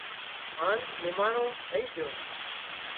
هانَ نماڻو ٿئي جھو